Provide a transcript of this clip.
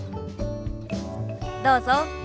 どうぞ。